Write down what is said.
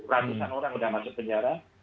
ratusan orang sudah masuk penjara